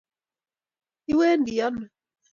iwendi ano?